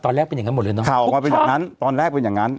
ตอนแรกเป็นอย่างนั้นหมดเลยเนาะข่าวออกมาเป็นแบบนั้นตอนแรกเป็นอย่างนั้น